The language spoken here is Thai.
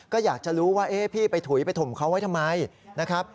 ก็อยากจะรู้ว่าพี่ไปถุยไปถมเขาไว้ทำไมนะครับ